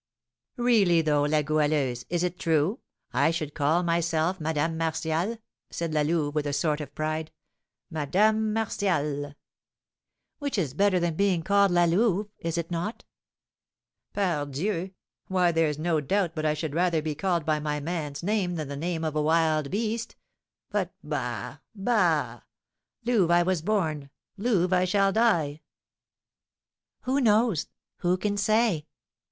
'" "Really though, La Goualeuse, is it true? I should call myself Madame Martial," said La Louve, with a sort of pride, "Madame Martial!" "Which is better than being called La Louve, is it not?" "Pardieu! Why, there's no doubt but I should rather be called by my man's name than the name of a wild beast; but bah! bah! louve I was born, louve I shall die!" "Who knows? Who can say?